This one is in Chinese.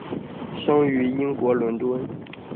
生于英国伦敦。